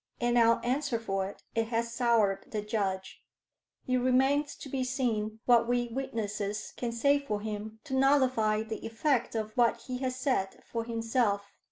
And I'll answer for it, it has soured the judge. It remains to be seen what we witnesses can say for him, to nullify the effect of what he has said for himself.